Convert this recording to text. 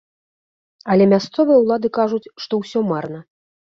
Але мясцовыя ўлады кажуць, што ўсё марна.